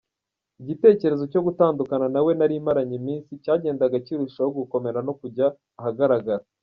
Igitekerezo cyo gutandukana na we nari maranye iminsi cyagendaga kirushaho gukomera no kujya ahagaragara.